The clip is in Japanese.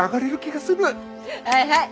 はいはい！